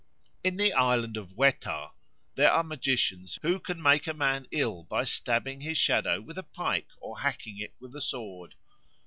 In the island of Wetar there are magicians who can make a man ill by stabbing his shadow with a pike or hacking it with a sword.